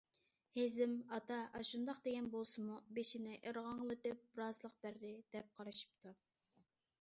« ھېزىم ئاتا ئاشۇنداق دېگەن بولسىمۇ، بېشىنى ئىرغاڭلىتىپ رازىلىق بەردى» دەپ قارىشىپتۇ.